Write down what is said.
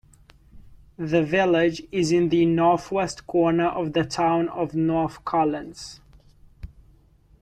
The village is in the northwest corner of the town of North Collins.